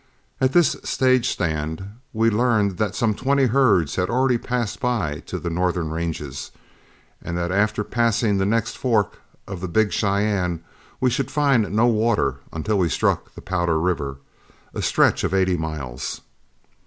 At this stage stand we learned that some twenty herds had already passed by to the northern ranges, and that after passing the next fork of the Big Cheyenne we should find no water until we struck the Powder River, a stretch of eighty miles.